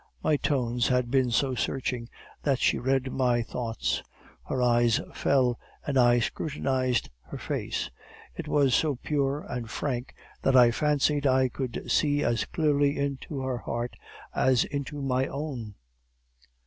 My tones had been so searching that she read my thought; her eyes fell, and I scrutinized her face. It was so pure and frank that I fancied I could see as clearly into her heart as into my own.